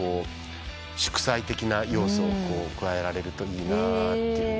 祝祭的な要素を加えられるといいなという。